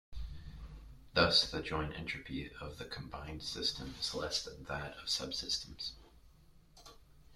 Thus the joint entropy of the combined system is less than that of subsystems.